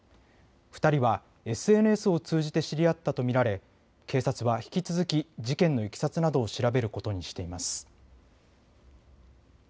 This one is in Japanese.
２人はＳＮＳを通じて知り合ったと見られ警察は引き続き事件のいきさつなどを調べることにしています。